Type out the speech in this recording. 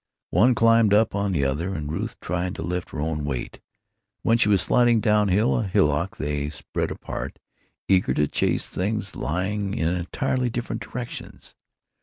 One climbed up on the other, and Ruth tried to lift her own weight. When she was sliding down a hillock they spread apart, eager to chase things lying in entirely different directions.